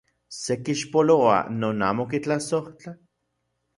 ¿Se kixpoloa non amo kitlasojtla?